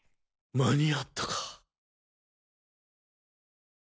間に合ったか。